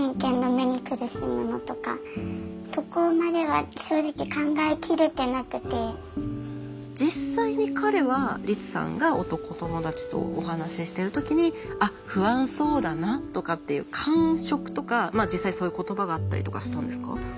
言ってしまえば実際に彼はリツさんが男友達とお話ししてる時にあっ不安そうだなとかっていう感触とか実際そういう言葉があったりとかしたんですか？